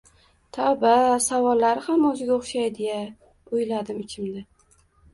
“Tavba, savollari ham o’ziga o’xshaydi-ya” — o’yladim ichimda.